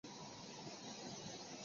曾效力于近铁野牛及横滨湾星。